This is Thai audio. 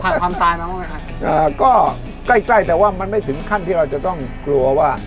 ความตายมาบ้างไหมคะเอ่อก็ใกล้ใกล้แต่ว่ามันไม่ถึงขั้นที่เราจะต้องกลัวว่า